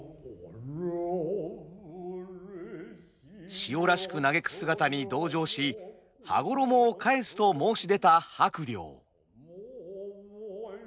しおらしく嘆く姿に同情し羽衣を返すと申し出た伯了。